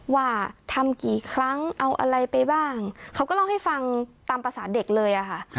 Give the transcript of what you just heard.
ว่าทำกี่ครั้งเอาอะไรไปบ้างเขาก็เล่าให้ฟังตามภาษาเด็กเลยอะค่ะ